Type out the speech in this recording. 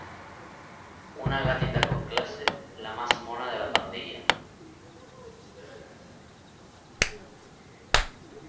Una gatita con clase: la más mona de la pandilla.